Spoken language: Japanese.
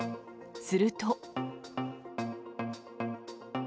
すると。